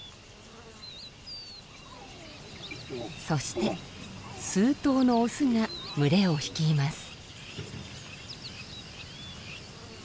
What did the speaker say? そして数頭のオスが群れを率います。